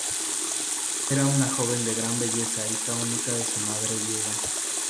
Era una joven de gran belleza hija única de su madre viuda.